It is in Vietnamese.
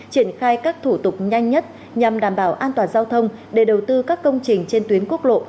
triển khai các thủ tục nhanh nhất nhằm đảm bảo an toàn giao thông để đầu tư các công trình trên tuyến quốc lộ